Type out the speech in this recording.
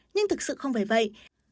nhưng thực sự không phải vậy